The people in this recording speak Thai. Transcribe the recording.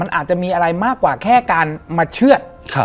อาจจะมีอะไรมากกว่าแค่การมาเชื่อด